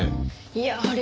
いやあれ